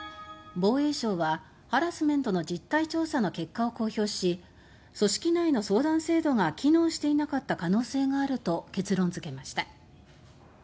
防衛省はハラスメントの実態調査の結果を公表し組織内の相談制度が機能していなかった可能性があると結論付けました。